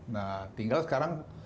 nah tinggal sekarang